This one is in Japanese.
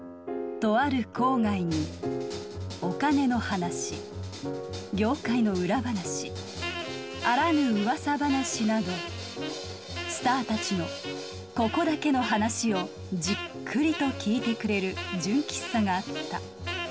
とある郊外にお金の話業界の裏話あらぬ噂話などスターたちのここだけの話をじっくりと聞いてくれる純喫茶があった。